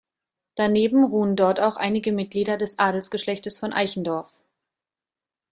Daneben ruhen dort auch einige Mitglieder des Adelsgeschlechtes von Eichendorff.